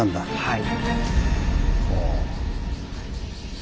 はい。